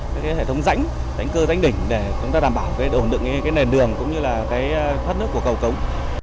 cái hệ thống rãnh rãnh cơ rãnh đỉnh để chúng ta đảm bảo đổn được cái nền đường cũng như là cái thoát nước của cầu cống